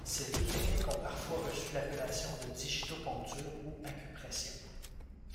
Ces deux techniques ont parfois reçu l’appellation de digitopuncture ou acupression.